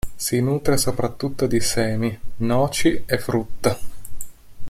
Si nutre soprattutto di semi, noci e frutta.